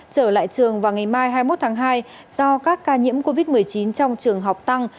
trở lại trường vào ngày mai hai mươi một tháng hai do các ca nhiễm covid một mươi chín trong trường học tăng